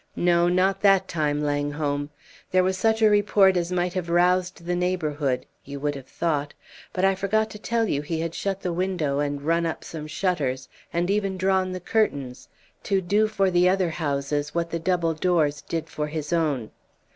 "No, not that time, Langholm. There was such a report as might have roused the neighborhood you would have thought but I forgot to tell you he had shut the window and run up some shutters, and even drawn the curtains, to do for the other houses what the double doors did for his own.